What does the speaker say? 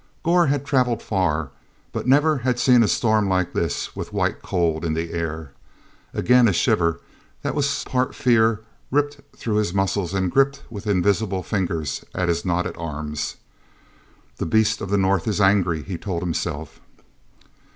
Gor had traveled far, but never had he seen a storm like this with white cold in the air. Again a shiver that was part fear rippled through his muscles and gripped with invisible fingers at his knotted arms. "The Beast of the North is angry!" he told himself.